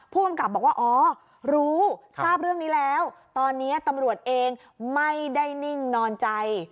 ผู้กำกับบอกว่าอ๋อรู้ทราบเรื่องนี้แล้วตอนนี้ตำรวจเองไม่ได้นิ่งนอนใจ